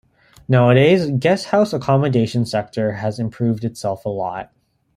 Nowadays guest house accommodation sector has improved itself a lot.